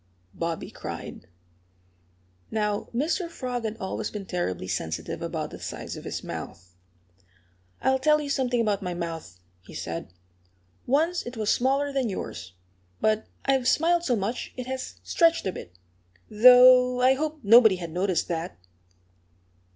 Bobby cried. Now, Mr. Frog had always been terribly sensitive about the size of his mouth. "I'll tell you something about my mouth," he said. "Once it was smaller than yours. But I've smiled so much it has stretched a bit, though I hoped nobody had noticed that."